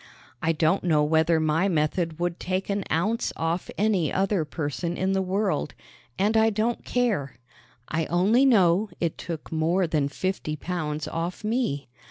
I don't know whether my method would take an ounce off any other person in the world, and I don't care. I only know it took more than fifty pounds off me.